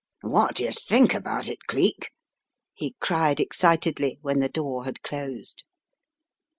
"What do you think about it, Cleek?" he cried excitedly, when the door had closed.